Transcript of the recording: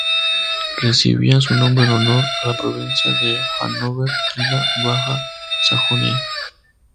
Recibía su nombre en honor a la provincia de Hannover en la Baja Sajonia.